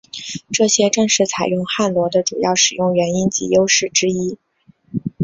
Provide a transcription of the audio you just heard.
这些正是采用汉罗的主要使用原因及优势之一。